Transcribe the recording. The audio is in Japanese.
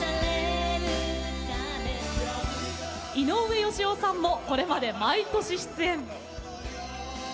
井上芳雄さんもこれまで毎年、出演。